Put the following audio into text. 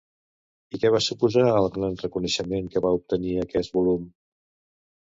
I què va suposar el gran reconeixement que va obtenir aquest volum?